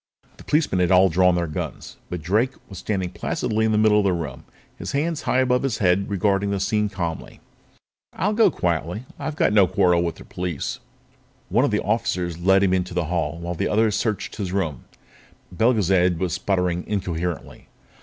The policemen had all drawn their guns, but Drake was standing placidly in the middle of the room, his hands high above his head regarding the scene calmly. "I'll go quietly," he said. "I've got no quarrel with the police." One of the officers led him out into the hall while the others searched his room. Belgezad was sputtering incoherently.